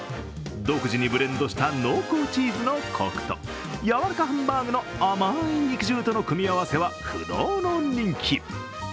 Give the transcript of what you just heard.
独自にブレンドした濃厚チーズのこくと、やわらかハンバーグの甘い肉汁との組み合わせは不動の人気。